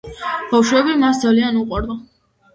ბავშვები მას ძალიან უყვარდა.